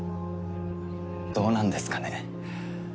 どうなんですかね。